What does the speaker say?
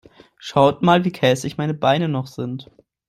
Schaut mal, wie käsig meine Beine noch sind.